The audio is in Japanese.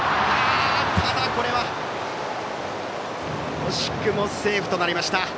ただ、これは惜しくもセーフとなりました。